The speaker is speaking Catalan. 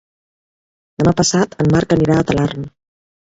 Demà passat en Marc anirà a Talarn.